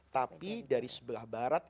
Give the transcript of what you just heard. tapi dari sebelah barat